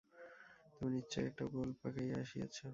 তুমি নিশ্চয় একটা গোল পাকাইয়া আসিয়াছ।